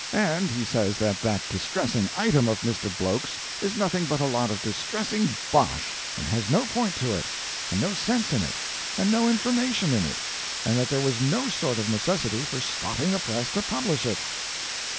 And he says that that distressing item of Mr. Bloke's is nothing but a lot of distressing bosh, and has no point to it, and no sense in it, and no information in it, and that there was no sort of necessity for stopping the press to publish it.